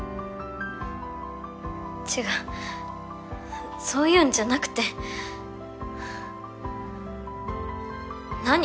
違うそういうんじゃなくて何？